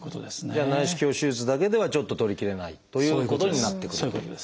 じゃあ内視鏡手術だけではちょっと取り切れないということになってくるという。